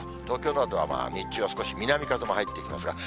東京なんか、日中は少し南風も入ってきます。